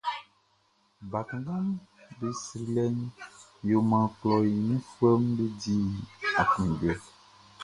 Bakannganʼm be srilɛʼn yo maan klɔʼn i nunfuɛʼm be di aklunjuɛ.